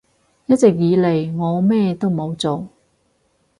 一直以嚟我咩都冇做